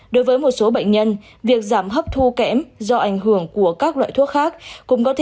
đối với một số bệnh nhân việc giảm hấp thu kém do ảnh hưởng của các loại thuốc khác